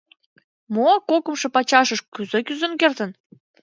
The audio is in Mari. Мо, кокымшо пачашыш кузе кӱзен кертын?